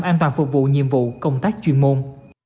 an toàn phục vụ nhiệm vụ công tác chuyên môn